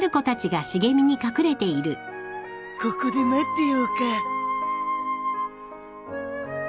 ここで待ってようか。